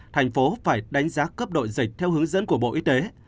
thành phố phải đánh giá cấp độ dịch theo hướng dẫn của bộ y tế